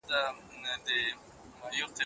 اوږده سفرونه د خوراک او خوب مهالویش ګډوډوي.